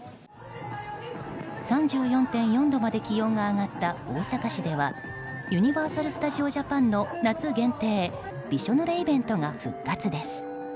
３４．４度まで気温が上がった大阪市ではユニバーサル・スタジオ・ジャパンの夏限定びしょぬれイベントが復活です。